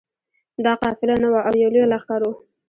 دا قافله نه وه او یو لوی لښکر وو.